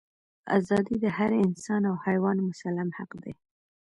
ازادي د هر انسان او حیوان مسلم حق دی.